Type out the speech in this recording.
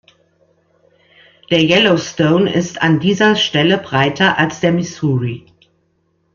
Der Yellowstone ist an dieser Stelle breiter als der Missouri.